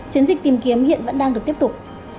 chiến dịch tìm kiếm hiện vẫn đang được tiếp tục